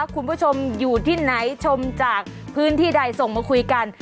คุณผู้ชมอยู่ที่ไหนชมจากพื้นที่ใดส่งมาคุยกัน